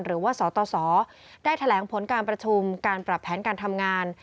สตสได้แถลงผลการประชุมการปรับแผนการทำงาน